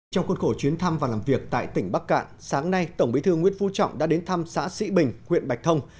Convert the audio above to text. trong khuôn khổ chuyến thăm và làm việc tại tỉnh bắc cạn sáng nay tổng bí thư nguyễn phú trọng đã đến thăm xã sĩ bình huyện bạch thông